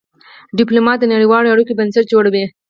ډيپلومات د نړېوالو اړیکو بنسټ جوړوي.